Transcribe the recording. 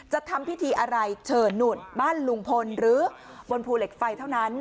ทำพิธีอะไรเฉินหนุนบ้านลุงพลหรือบนภูเหล็กไฟเท่านั้น